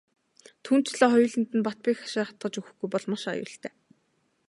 Түүнчлэн хоёуланд нь бат бэх хашаа хатгаж өгөхгүй бол маш аюултай.